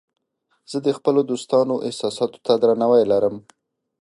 زه د خپلو دوستانو احساساتو ته درناوی لرم.